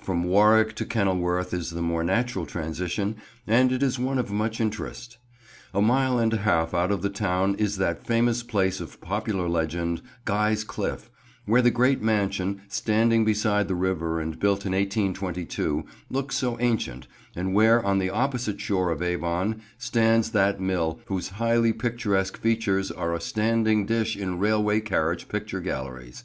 From Warwick to Kenilworth is the more natural transition, and it is one of much interest. A mile and a half out of the town is that famous place of popular legend, Guy's Cliff, where the great mansion, standing beside the river and built in 1822, looks so ancient, and where, on the opposite shore of Avon, stands that mill whose highly picturesque features are a standing dish in railway carriage picture galleries.